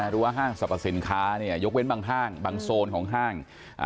รู้ว่าห้างสรับประสิทธิ์ข้ายกเป็นบางท่างบางโซนของห้าง